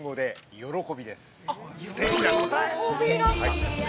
◆喜びだったんですね。